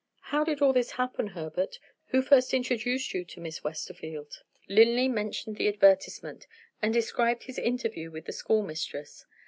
"How did all this happen, Herbert? Who first introduced you to Miss Westerfield?" Linley mentioned the advertisement, and described his interview with the schoolmistress.